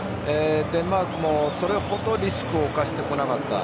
デンマークもそれほどリスクを冒してこなかった。